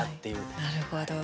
なるほど。